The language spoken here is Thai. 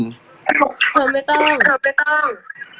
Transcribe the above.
เธอไม่ต้อง